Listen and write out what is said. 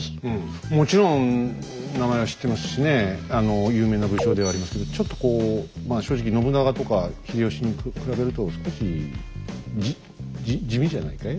もちろん名前は知ってますしね有名な武将ではありますけどちょっとこうまあ正直信長とか秀吉に比べると少しじじ地味じゃないかい？